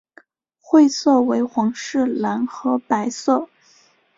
会色为皇室蓝和白色。